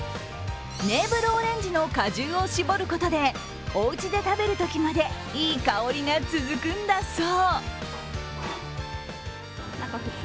ネーブルオレンジの果汁を搾ることでおうちで食べるときまでいい香りが続くんだそう。